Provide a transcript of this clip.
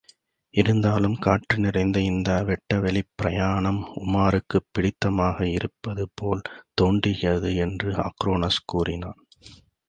இருந்தாலும், காற்று நிறைந்த இந்த வெட்டவெளிப் பிரயாணம் உமாருக்குப் பிடித்தமாக இருப்பது போலத் தோன்றுகிறது என்று அக்ரோனோஸ் கூறினான்.